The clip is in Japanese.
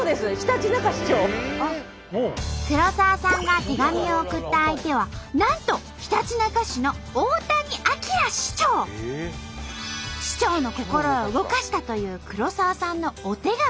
黒沢さんが手紙を送った相手はなんと市長の心を動かしたという黒沢さんのお手紙。